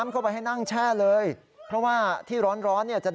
กลัวแล้ว